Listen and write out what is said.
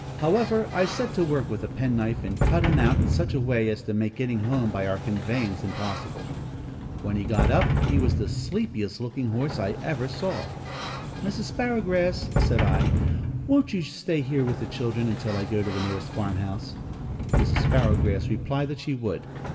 However, I set to work with a pen knife, and cut him out in such a way as to make getting home by our conveyance impossible. When he got up, he was the sleepiest looking horse I ever saw. "Mrs. Sparrowgrass," said I, "won't you stay here with the children until I go to the nearest farm house?" Mrs. Sparrowgrass replied that she would.